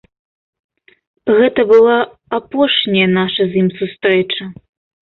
Гэта была апошняя наша з ім сустрэча.